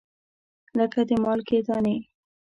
لګه د مالګې دانې